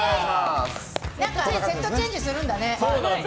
セットチェンジするんだね。